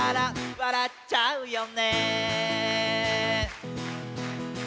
「笑っちゃうよね」